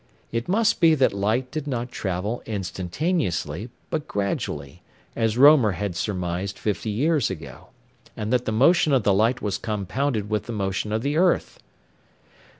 It must be that light did not travel instantaneously, but gradually, as Roemer had surmised fifty years ago; and that the motion of the light was compounded with the motion of the earth.